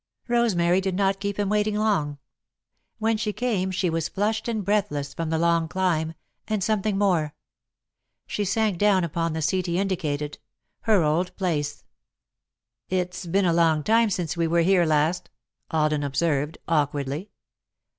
Rosemary did not keep him waiting long. When she came, she was flushed and breathless from the long climb and something more. She sank down upon the seat he indicated her old place. [Sidenote: The Hour of Reckoning] "It's been a long time since we were here last," Alden observed, awkwardly.